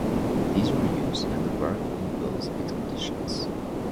These were used in the Burke and Wills expeditions.